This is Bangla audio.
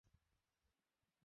সব আছে আমার কাছে।